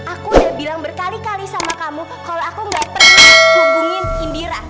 aku udah bilang berkali kali sama kamu kalau aku nggak pernah hubungin indira